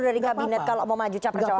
dari kabinet kalau mau maju capra capra